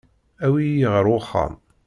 Awi-iyi ɣer uxxam.